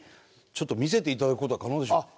ちょっと見せて頂く事は可能でしょうか？